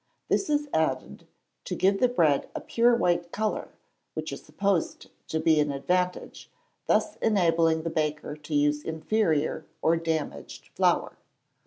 This is added to give the bread a pure white colour, which is supposed to be an advantage, thus enabling the baker to use inferior or damaged flour.